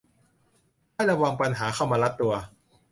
ให้ระวังปัญหาเข้ามารัดตัว